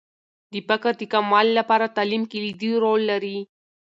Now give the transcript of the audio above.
د فقر د کموالي لپاره تعلیم کلیدي رول لري.